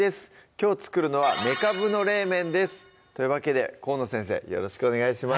きょう作るのは「めかぶの冷麺」ですというわけで河野先生よろしくお願いします